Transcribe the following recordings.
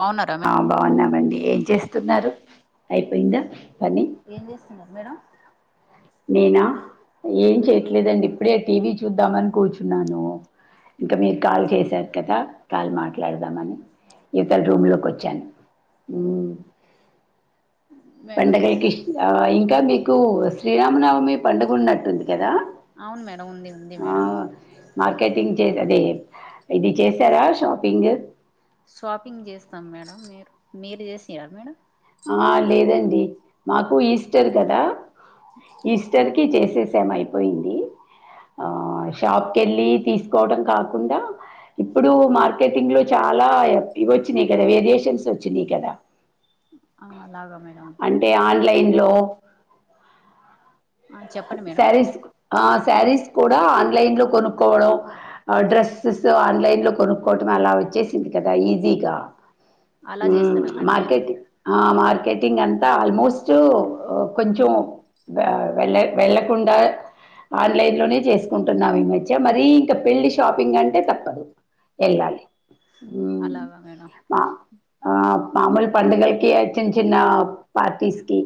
బావున్నారా మే ఆ బాగున్నామండి ఏం చేస్తున్నారు అయిపోయిందా ప ఏం చేస్తున్నారు మేడం నేనా ఏం చెయట్లేదండి ఇప్పుడే టీవీ చూద్దామని కూర్చున్నాను ఇంకా మీర్ కాల్ చేసారు కదా కాల్ మాట్లాడుదామని ఇవ్ తల రూమ్ లో కోచ్చాను హు మ్ మేడం పండగలకి ఇష్ ఇంకా మీకు శ్రీరామనవమి పండుగ ఉన్నట్టుం కదా అవును మేడం ఉంది ఉంది ఆ మేడం మార్కెటింగ్ చే అదే ఇది చేసారా షాపింగ్ మీరజేసిరా మేడం ఆ లేదండి మాకు ఈస్టర్ కదా ఆ ఈస్టర్ కి చేసేసామైపోయింది ఆ షాప్ కెళ్ళి తీసుకోవడం కాకుండా ఇప్పుడు మార్కెటింగ్ లో చాలా ఇవి వచ్చినాయ్ కదా వేరియేషన్స్ వచ్చినాయ్ కదా ఆ లాగా మేడం లైన్ లో ఆ చెప్పండి మేడం సారీస్ ఆ సారీస్ కూడా ఆన్లైన్ లో కొనుక్కోవడం డ్రెస్సెస్ ఆన్లైన్ లో కొనుక్కోవటం అలా చేసింది కదా ఈజీ గా అలా మ్ చేస్తారా మేడం మీరు మార్కెట్ ఆమ టింగ్ అంతా ఆల్మోస్ట్ కొంచెం ఆ వెళ్లే వెళ్ళకుండ ఆన్లైన్ లోనే చేసుకుంటున్నాం ఈ మధ్య మరీ ఇంకా పెళ్లి షాపింగ్ అంటే తప్పదు ఎల్లాలి అలాగా మేడం ఆ! మామూలు పండుగలకి చిన్న చిన్న పార్టీస్ కి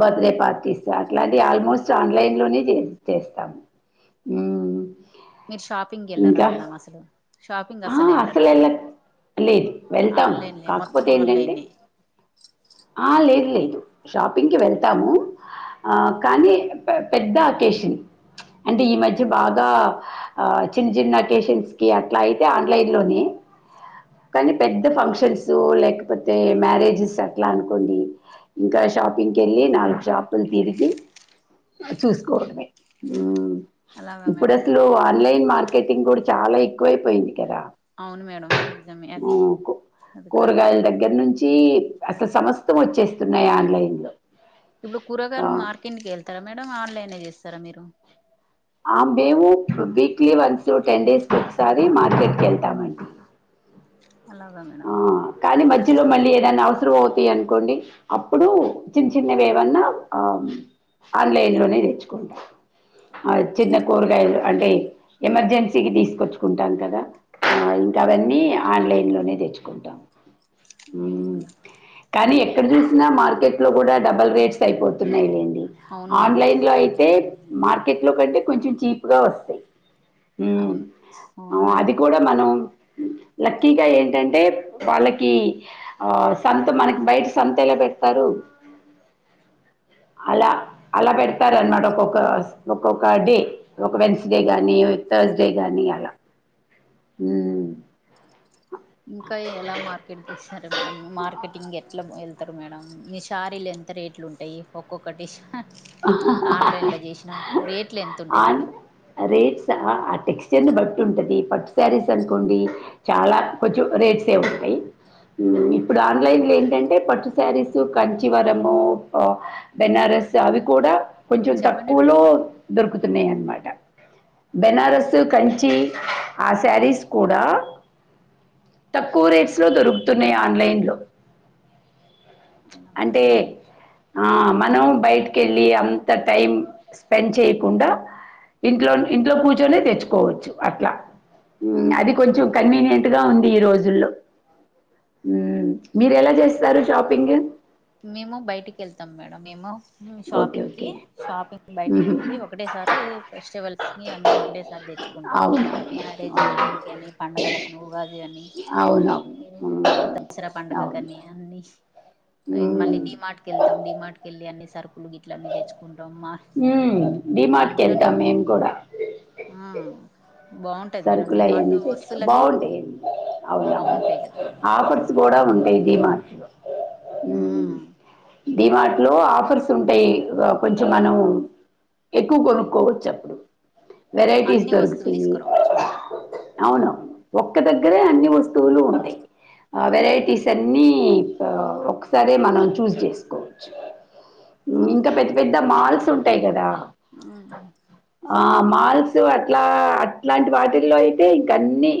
బర్త్డే పార్టీస్ అట్లాంటి ఆల్మోస్ స్ట్ ఆన్లైన్ లోనే చే చేస్తాము మ్ మీరు షాపింగేళ్ళర మేడం అసలు షాపింగ్ ఆ! అసలు వెళ్లరా అసలెళ్ళ లేదు వెళ్తాము కాకపోతే ఏంటంటే ఆన్లైనే ఆ లేదు లేదు షాపింగ్ కి వెళ్తాము ఆ కానీ పెద్ద అకేషన్ అంటే ఈ మధ్య బాగా ఆ చిన్న చిన్న అకేషన్స్ కి అట్లైతే ఆన్లైన్ లోనే కానీ పెద్ద ఫంక్షన్స్ లేకపోతే మ్యారేజెస్ అట్లా అనుకోండి ఇంకా షాపింగ్కి వెళ్ళి నాలుగు షాపులు తిరిగి చూసుకోవడమే మ్ అలాగా ఇప్పుడు మేడం అసలు ఆన్లైన్ మార్కెటింగ్ కూడా చాలా ఎక్కువైపోయింది కదా అవును మేడం ఆ నిజమే అది కు అది కరెక్టే కూరగాయల దగ్గర నుంచి ఛీ అసలు సమస్తం వచ్చేస్తున్నయ్ ఆన్లైన్ లో ఇప్పుడు కూరగాయలు మార్కెట్కి వెళ్తారా మేడమ్ ఆన్లైనే చేస్తార మీరు ఆ మేము వీక్లీ వన్స్ టెన్ డేస్ కోకసారి మార్కెట్ కి వెళ్తామండి బ్లాంక్ అలాగా మేడం మళ్ళీ ఏదైనా అవసరం అవుతాయ్ అనుకోండి అప్పుడు చిన్న చిన్నవి ఏమన్నా ఆ ఆన్లైన్ లోనే తెచ్చుకుంటా ఆ చిన్న కూరగాయలు అంటే ఎమర్జెన్సీకి తీసుకొచ్చుకుంటాం కదా ఆ ఇంకా అవన్నీ ఆన్లైన్ లోనే తెచ్చుకుంటాం అవునా మ్ మేడం కానీ ఎ క్కడ చూసినా మార్కెట్లో కూడా డబల్ రేట్స్ అయిపోతున్నాయ్ లేండి అవును మేడం ఆన్లైన్లో అయితే మార్కెట్ లో కంటే కొంచెం చీప్గా వస్తాయి మ్ అవును అవును మేడం అది కూడా మనం లక్కీగా ఏంటం టే వాళ్ళకి ఆ సంత మనకి బయట సంత ఎలా పెట్ స్తరు అలా అలా పెడుతారు అనమాట ఒక్కొక్క ఒక్కొక్క డే ఒక వెన్స్డే గాని థర్స్ డే గానీ అల మ్ ఇంకా ఎలా మార్కెట్ చేస్తారు మేమ్ మార్కెటింగ్ ఎట్లా వెళ్తరు మేడం మీ శారీలు ఎంత రే ట్లు ఉంటయ్ ఒక్కొక్కటి ఆన్లైన్లో చేసిన రేట్లు ఎంత ఉంటాయి ఆ మేడం అ రేట్ ఆ టెక్స్చర్ ని బట్టి ఉంటది పట్టు శారీస్ అనుకోండి చాలా కొంచెం రేట్స్ ఏ ఉంటా యి మ్ ఇప్పుడు ఆన్లైన్ లో ఏంటంటే పట్టు శారీస్ కంచివరము ఆ బెనారస్ అవి కూడా కొంచెం చెప్పండి మేడం తక్కువలో దొరుకుతున్నయ్ అన్నమాట్ ట బెనారసు కంచి ఆ శారీస్ కూడా తక్కువ రేట్స్ లో దొరుకుతున్నయ్ ఆన్లైన్ లో అవునా అంటే మేడం ఆ మనం బయటికెళ్ళి అంత టైం స్పెండ్ చేయకుండా ఇంట్లో ఇంట్లో కుర్చొనే తెచ్చుకోవచ్చు అట్ల మ్మ్ అది కొంచెం అలా కన్వీనియంట్ గా ఉంది ఈరోజుల్లో మ్మ్ మీరెలా అలా జేస్తారు షాపింగ్ మేము బైటికేళ్తాం మేడం మేము ఓకే షాపింగ్ కి ఓకే షాపింగ్ కి బైటికి ఉహు, వెళ్ళి ఒకటేసారి వెజిటేబుల్ అన్ని ఒకటేసారి దే చుకుంటాం అవును అవును మ్యారేజీడేకి అని పండగలకనో ఉగాది అనీ అవును ఉమ్, దసరా అవును పండగకని అన్ని అండ్ మళ్ళీ ఉమ్, డీమార్ కెళ్తాం ధీమార్కెలి అన్ని సరుకులు గీట్ల అన్ని తెచ్చుకుం ఉమ్ డిమార్ట్కెల్తం మేం కూడా ఆ బాగుంటది మేడం సరుకులు డిమార్ట్ అయ్యన్ని లో తెచ్చు వస్తువులన్నీ బాగుంటాయిండి అవును అవును బాగుంటాయి కదా మేడం ఆఫర్స్ గూడా ఉండేది మాక్ ఉమ్ డీ మాట్లో ఆఫర్స్ ఉంటాయి కొంచెం మనవ్ ఎక్కువ కొనుకోవచ్చు అప్పుడు వెరైటీస్ అన్ని వస్తువులు దొరుకుతయి తీసుకురావచ్చు మేడం అవును ఒక్క దగ్గరే అన్ని వస్తువులు ఉంటాయి ఆ వెరైటీస్ అన్ని ఆ ఒకసారే మనం చూస్ జేసుకోవచ్చు ఉమ్ ఇంకా పెద్ద పెద్ద మాల్స్ ఉంటాయి గదా మ్ ఆ మాల్స్ అట్లా అట్లాంటి వాటిల్లో అయితే ఇంక అన్ని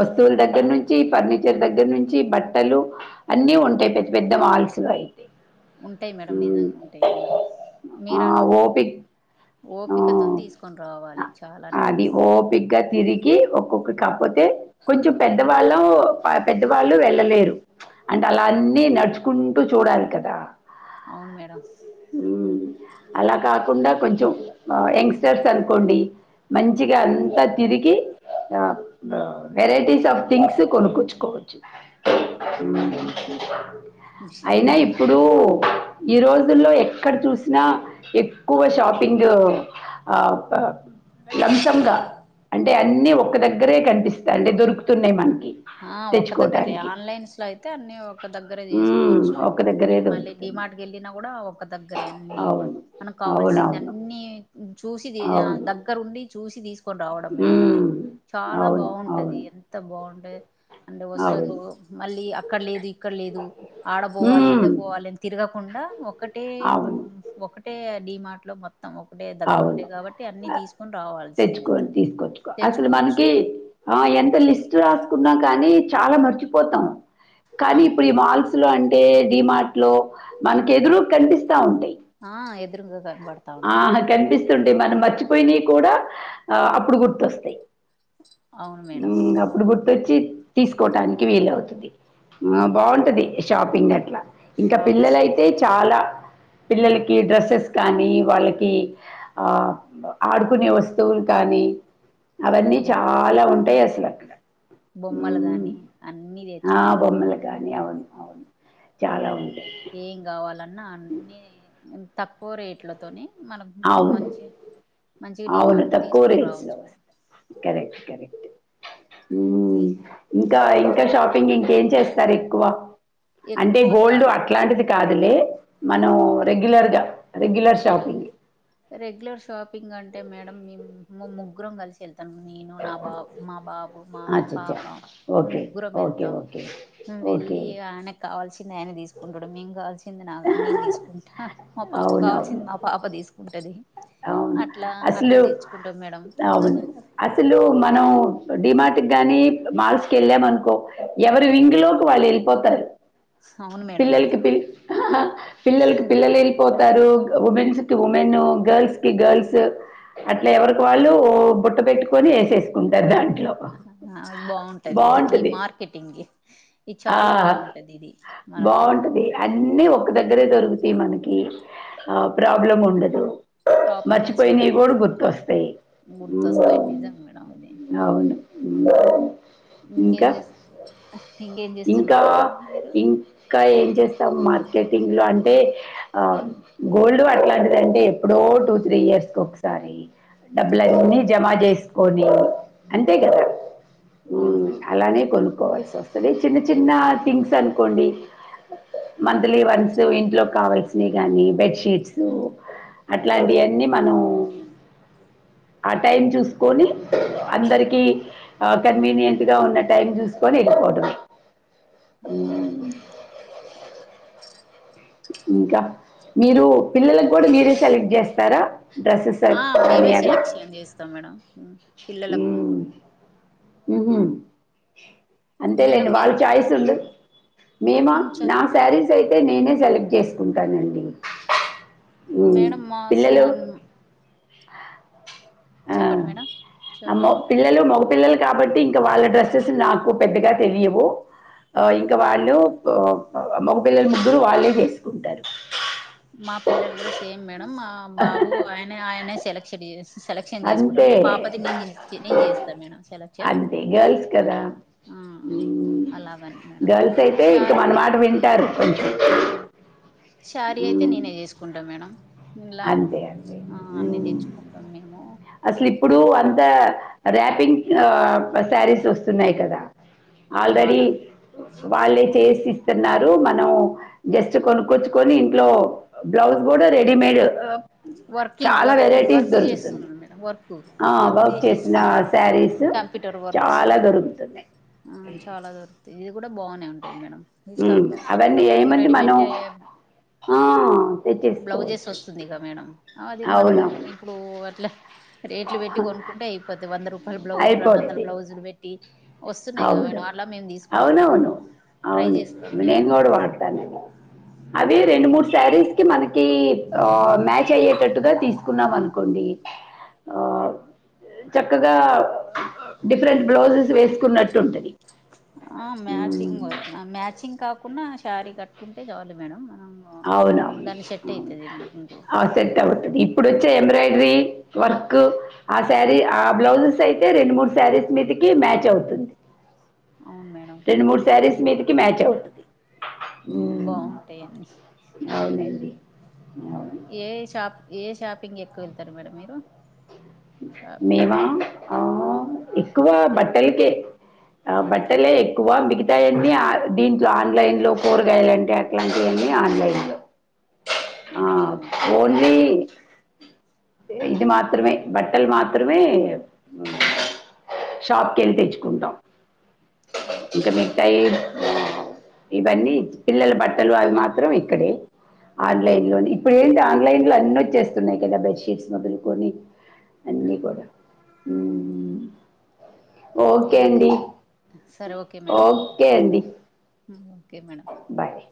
వస్తువుల దగ్గర నుంచి ఫర్నిచర్ దగ్గర నుంచి బట్టలు అన్ని ఉంటాయి పెద్ద పెద్ద మాల్ సున్నై ఉంటాయి మేడం నిజంగా ఉంటాయి మేడం మీర ఆ ఓపిక్ ఓపికతోన్ దిస్కొనిరవాలి అది ఓపిగ్గా తిరి గి ఒక్కొక్క కాపోతే కొంచెం పెద్దవాళ్ళు ఆపెద్దవాళ్ళు వెళ్ళలేరు అంటే అలా అన్ని నడుచుకుంటూ చూడాలి కదా అవును మేడం మ్మ్ అలా కాకుండా కొంచెం ఆ యంగ్స్టర్స్ అనుకోండి మంచిగా అంతా తిరిగి ఆ వెరైటీస్ ఆఫ్ థింగ్స్ కొనుక్కచ్చుకో చూ అయినా మేము ఇప్పుడు ఈ రోజుల్లో ఎక్కడ చూసినా ఎక్కువ షాపింగు ఆ లంశంగా అంటే అన్నీ ఒక్క దగ్గరే కనిపిస్తాయి అంటే దొరుకుతున్నాయి మనకు ఆ ఒక్క దగ్గరే ఆన్లైన్స్ లో అయితే అన్ని ఒక దగ్గరే ఉమ్, చెస్కోచ్చు ఒక్క దగ్గరే మళ్ళీ దొరుకుతున్నాయి డీమార్టుకెళ్లినా గూడ ఒక్క దగ్గరే అన్ని అవును అవునవును మనకావాల్సిందన్ని చూసి ధీ అ అవును దగ్గరుండి చూసి ధీసుకొని రావడం మేడం అది ఉమ్, చాలా అవును బావుంటది అవును ఎంత బావుంటాద్ అండు వస్తూలు అవును మళ్ళీ అక్కడ లేదు ఇక్కడ లేదు ఆడ బోవాలి ఉమ్, ఈడపోవాలి అని తిరగ కుండా ఒకటే అవును ఒకటే డిమార్ట్ లో మొ త్తం ఒకటే దగ్గరుంటై అవును గాబట్టి అన్ని ఆ, తీసుకొని రావాల్సిందే తెచ్చుకొని మనం తీసుకొచ్చుకో అసలు తెచ్చుకోవచ్చు మనకి ఆ ఎంత లిస్ట్ రాసుకున్నా కానీ చాలా మర్చిపోతాం కానీ ఆ ఇప్పుడు ఈ మాల్స్ లో అం టె డిమార్ట్ లో మనకేదురు కనిపిస్తా ఉంటాయి ఆ ఎదురుంగా కనబడతా ఆ ఉంటాయి మేడం కనిపిస్తుంటే మనం మర్చిపోయినాయ్ కూడా ఆ అప్పుడు గుర్తొస్తాయి అవును మేడం మ్మ్ అప్పుడుగుర్తోచ్చి తీసకోటానికి వీలవుతది ఆ బాగుంటది షాపింగ్ అట్లా ఇంకా షాప్ పిల్లలైతే చాలా పిల్లలకి డ్రెస్సెస్ కానీ వాళ్ళకి ఆ ఆడుకునే వస్తువులు కానీ అవన్నీ బొమ్మ చాలా ఉంటాయ్ అస బొమ్మలు గాని అన్నీ ఆ, తెచ్చుకోవచ్చు బొమ్మలు మనం ఇంక కానీ అవును అవును చాలా మనం ఉంటాయి ఏం కావాలన్నా అన్ని తక్కువ రేట్లతోనీ మనకు అవును మంచి మంచిగా అవును డిమార్ట్ లో తక్కువ తీసుకొని రేట్స్ లో రావచ్చు కదా కరెక్ట్ కరెక్ట్ మ్ ఇంకా ఇంకా షాపింగ్ ఇంకేం చేస్తారు ఎక్కువ అంటే ఎక్కువ గోల్డ్ షాప్ అట్లాంటిది కాదు లే మనం రెగ్యులర్ గా రెగ్యులర్ షాపింగే రెగ్యులర్ షాపింగ్ అంటే మేడం మేం ము ముగ్గురం కలిసి ఎల్ తమ్ నేను నా బాబ్ మా బాబ్ మా అచ్చా పాప ఓకే ముగ్గురం ఓకే వెళ్తాం ఓకే ఓకే వెళ్ళి ఇగ ఆయనకు కావల్సి నాయ్ ఆయనే తీసుకుంటాడు మేం కావాల్సింది నా నేను తీసుకుంటా మా పాప అవునవును కావాల్సింది అవును మా పాప తీసు కుంటది అవును అసలు మేడం అవును అసలు మనం డిమార్ట్ ట్ కానీ మాల్స్కి వెళ్ళామనుకో ఎవరీ వింగ్ిలోకి వాళ్ళు వెళ్ళిపోతారు అవును మేడం ఇది పిల్లలకి పిల్ పిల్లకి పిల్లలేళ్ళిపొత రూ వుమెన్స్కి వుమెన్ ను గర్ల్స్ కి గర్ల్స్ అట్లా ఎవరికి వాళ్ళు బుట్ట పెట్టుకొని ఏసేసుకుంటారు దాన్ హా బాగుంటది ఇది ఈ మార్కెటింగ్ ఇది ఆ చాలా బాగుంటది ఇది మనకు బాగుంటది అన్నీ ఒ ఒక దగ్గరే దొరుకుతాయి మనకి ఆ ప్రాబ్లం ఉండదు ప్రాబ్లమ్స్ మర్చిపోయినాయ్ ఉండదు కూడా గుర్తుొస్తాయి గుర్తొస్తాయి నిజం మేడం ఇది అవును మ్ ఇంకేం చేస హా ఇంకేం చేస్ ఇంకా ఇంకా ఏం చేస్తాము మార్కెటింగ్ లో అంటే ఆ గోల్డ్ అట్లాంటిదంటే ఎప్పుడో టూ త్రీ ఇయర్స్ ఒకసారి డబ్బులన్నీ జమ చేసుకొని అంతే కదా అవును మ్ మేడం అలానే కొనుక్కవాల్సి ఓస్తది చిన్న చిన్న థింగ్స్ అనుకోండి మంత్లీ వన్స్ ఇంట్లో కావల్సినవి గాని బెడ్షీట్స్ అట్లాంటియన్నీ మనం ఆ టైం చూసుకొని అందరికీ ఆ కన్వీనియంట్ గా ఉన్న టైం చూసుకొని పోవటమే అవును మేడం ఇంకా మీరు పిల్లలకు కూడా మీరే సెలెక్ట్ చేస్తారా డ్రెస్సెస్ ఆ అని మేమే అవి సెలెక్షన్ చేస్తాం మేడం మ్ పిల్లలకు మ్ హు అంతేలేండి మేడం వాళ్ళ మీరు చాయిస్ ఉంది మేము ఉమ్ చ నా శారీస్ సైతే నేనే సెలెక్ట్ చేసుకుంటానండి మ్మ్. మేడం మ స పిల్లలు న్ మేడం ఆ మొ చెప్పండి పిల్లలు మొగ పిల్లల్ కాబట్టి ఇంకా వాళ్ళ డ్రెస్సెస్ నాకు పెద్దగా తెలియవు ఆ ఇంకా వాళ్ళు ప ప మొగ పిల్లలు ముగ్గురు వాళ్ళే చేసుకుంటారు ఆ బాబు ఆయనఅయనే సెలెక్షన్ చేస్ సెలెక్షన్ చేసుకుంటాడ్ అంతే మా పాపది నేను చే నేను చేస్తా మేడం సెలక్ అంతే గర్ల్స్ కదా మ్ అలాగని మేడం గర్ల్స్ అయితే ఇంక షార్ మన మాట వింటారు కొంచెం శారీ అయితే నేనే చేసుకుంటా మేడం ఇలా అంతే అంతే ఆ అన్ని మ్ తెచ్చుకుంటాం మేము అసలు ఇప్పుడు అంత ర్యాపింగ్ శారీస్ వస్తున్నాయి కదా ఆ ఆల్రెడీ అలా వాళ్ళే చేసి ఇస్తున్నారు. మనం జస్ట్ కొనుక్కొచ్చుకొని ఇంట్లో బ్లౌజ్ కుడ రెడీమేడ్ వర్కింగ్ చాలా వర్కుంగ్ వెరైటీస్ వర్క్ దొరుకుతుంది చేస్తుంద్ మేడం వర్కు వర్క్ చేసి చేసిన ఇస్తున్నారు శారీస్ కంప్యూటర్ వర్క్స్ చాలా దొరుకుతున్నాయ్ ఆ చాలా దొర్కుతయ్ కూడా బానే ఉంటది మేడం ఉమ్, ఇంకంతా అవన్నీ మొత్తం ఏమంది మనం రెడీమేంటే ఆ తెచ్చేస్కోవచ్ వస్తుంది ఇక మేడం అది మనం ఇప్పుడు అట్ల రేట్లు పెట్టి కొన్కుంటే ఐపోద్ది వంద రూపా పల్ బ్లౌజ్ రెండందల్ అయిపోద్ది బ్లౌజులు వెట్టి వస్తున్నాయ్ గద మేడం అన్లా మేమ్ తీస్కుంటాం మ అవ్ను నెను గూడ వాడ్తానది అవి రెండు మూడ్ సార్ల్ కి మనకి ఆ మ్యాచ్ అయ్యేటట్టుగా తీస్కున్నాం అన్కోండి ఆ చక్కగా డిఫ్రెంట్ బ్లౌజెస్ వేస్కున్నట్టుంటది. ఆ మ్యాచింగు మ మ్యాచింగ్ కాకుంన్న శారీ కట్కుంటే చాలు మేడం. మనం అవునవును దాన్ని సెట్ అవ్ను అయితది మనకు ఇంకో ఆ సెట్ ఒక్ అవతది ఇప్పుడోచ్చే ఎంబ్రాయిడ్రీ వర్క్ ఆ శారీ ఆ బ్లౌజెస్ ఐతే రెండ్ మూడ్ శారీస్ మీదికి మ్యాచ్ అవుతుంది. అవును మేడం రెండు మూడ్ శారీస్ మీదికి మ్యాచ్ అవుతుంది. ఉమ్. బావుటాయన్నీ అవునండి ఇంగా ఏ షాప్ ఏ షాపింగ్ ఎక్కువెళ్తార్ మేడం మీరు షాప్ మేమా ఆ ఎక్కువ బట్టల్కే ఆ బట్టలకి బట్టలే ఎక్కువ మిగిత్ తయన్నీ అ దీంట్లో ఆన్లైన్ లో కూరగాయలంటే అట్లాంటివన్ని ఆన్లైన్ లో ఆ అలాగా మేడం ఓన్లీ ఇది మాత్రమే బట్టల్ మాత్రమే అ షాప్ కెళ్ళి తెచ్చుకుంటాం. అలా ఇకా మిగతాయి ఇవన్నీ పిల్లల బట్టలు అవి మాత్రం ఇక్కడే ఆన్లైన్ లోని ఇప్పుడెంటి ఆన్లైన్ లో అన్ని వచ్చేస్తున్నాయ్ కదా బెడ్ షీట్స్ మొదుల్కొని అన్నీ కూడా ఉమ్ ఓకే ఏది ఆండి సరే ఓకే మేడం ఓకే ఆండి ఓకే మేడం బాయ్